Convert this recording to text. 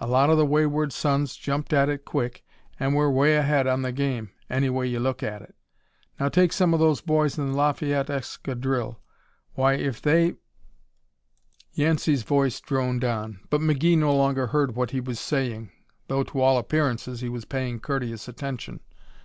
A lot of the wayward sons jumped at it quick, and we're 'way ahead on the game, any way you look at it. Now take some of those boys in the Lafayette Escadrille. Why, if they " Yancey's voice droned on, but McGee no longer heard what he was saying, though to all appearances he was paying courteous attention.